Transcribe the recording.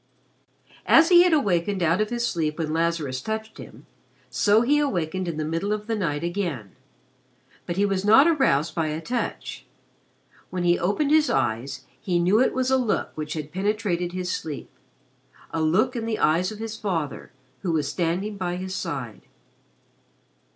As he had awakened out of his sleep when Lazarus touched him, so he awakened in the middle of the night again. But he was not aroused by a touch. When he opened his eyes he knew it was a look which had penetrated his sleep a look in the eyes of his father who was standing by his side.